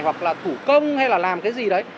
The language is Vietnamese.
hoặc là thủ công hay là làm cái gì đấy